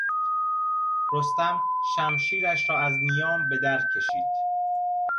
رستم شمشیرش را از نیام به در کشید.